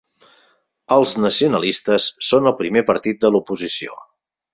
Els nacionalistes són el primer partit de l'oposició.